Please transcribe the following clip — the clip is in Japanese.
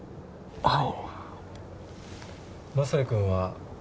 はい。